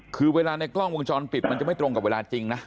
คือเวลาในกล้องวงจรปิดมันจะไม่ตรงกับเวลาจริงนะ